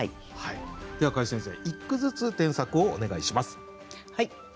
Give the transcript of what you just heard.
では櫂先生１句ずつ添削をお願いします。